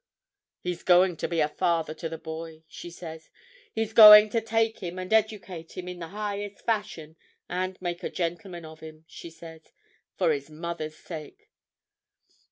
'He's going to be a father to the boy,' she says. 'He's going to take him and educate him in the highest fashion, and make a gentleman of him,' she says, 'for his mother's sake.